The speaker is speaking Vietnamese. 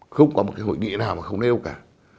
không có một cái hội nghị nào mà không nêu cả